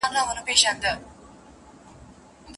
پلار په دوی او دوی په پلار هوسېدلې